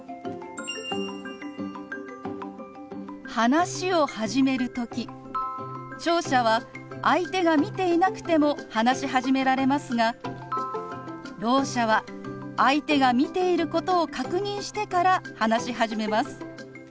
話を始める時聴者は相手が見ていなくても話し始められますがろう者は相手が見ていることを確認してから話し始めます。